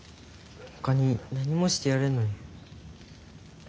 ほかに何もしてやれんのに。